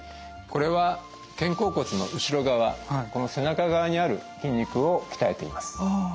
これは肩甲骨の後ろ側この背中側にある筋肉を鍛えています。